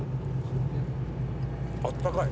あったかい。